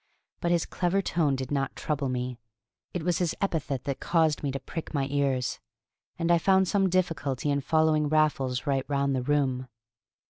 But his clever tone did not trouble me; it was his epithet that caused me to prick my ears. And I found some difficulty in following Raffles right round the room.